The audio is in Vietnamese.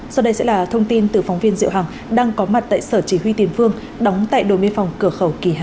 sau đây sẽ là thông tin từ phóng viên diệu hằng đang có mặt tại sở chỉ huy tiền phương đóng tại đồ miên phòng cửa khẩu kỳ hà